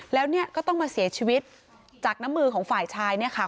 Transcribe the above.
แล้วเนี่ยก็ต้องมาเสียชีวิตจากน้ำมือของฝ่ายชายเนี่ยค่ะ